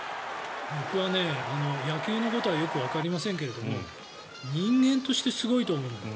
僕は野球のことはよくわかりませんけれども人間としてすごいと思う。